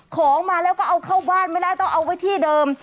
ของมาแล้วก็เอาเข้าบ้านไม่ได้ต้องเอาไว้ที่เดิม